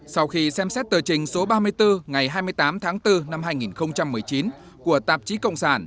sau khi xem xét tờ trình số ba mươi bốn ngày hai mươi tám tháng bốn năm hai nghìn một mươi chín của tạp chí cộng sản